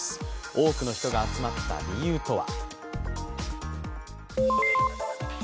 多くの人が集まった理由とは？